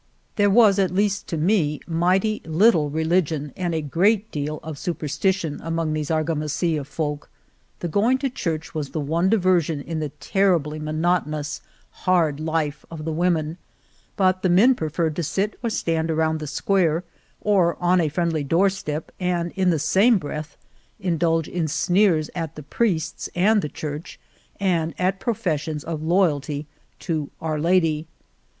There was, at least to me, mighty little religion and a great deal of su perstition among these Argamasilla folk. The going to church was the one diversion in the terribly monotonous, hard life of the women, but the men preferred to sit or stand around the square, or on a friendly doorstep and in the same breath indulge in sneers at the priests and the Church and at professions of loyalty to "Our Lady."